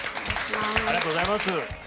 ありがとうございます。